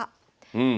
うん。